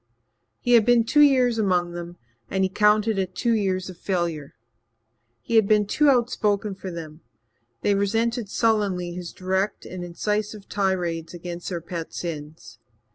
He had been two years among them and he counted it two years of failure. He had been too outspoken for them; they resented sullenly his direct and incisive tirades against their pet sins.